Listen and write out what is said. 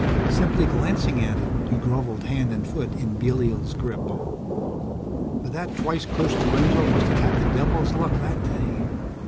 Simply glancing at it, you groveled hand and foot in Belial's grip. But, that twice cursed Lorenzo must have had the devil's luck that day.